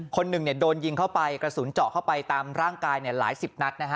คนหนึ่งโดนยิงเข้าไปกระสุนเจาะเข้าไปตามร่างกายหลายสิบนัดนะฮะ